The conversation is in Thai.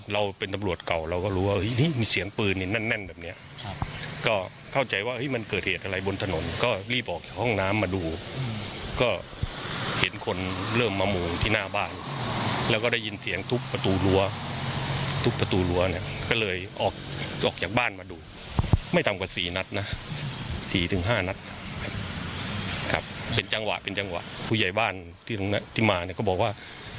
เราเป็นตำรวจเก่าเราก็รู้ว่ามีเสียงปืนแน่นแน่นแบบเนี้ยก็เข้าใจว่ามันเกิดเหตุอะไรบนถนนก็รีบออกห้องน้ำมาดูก็เห็นคนเริ่มมาหมูที่หน้าบ้านแล้วก็ได้ยินเสียงทุบประตูรั้วทุบประตูรั้วเนี่ยก็เลยออกออกจากบ้านมาดูไม่ตามกว่า๔